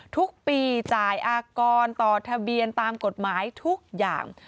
ทุกปีจ่ายอากรต่อทะเบียนตามกฎหมายทุกอย่าง